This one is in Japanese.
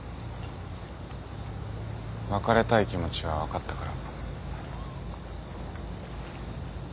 別れたい気持ちは分かったから。